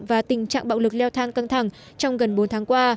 và tình trạng bạo lực leo thang căng thẳng trong gần bốn tháng qua